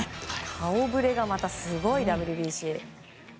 顔ぶれがまたすごいＷＢＣ。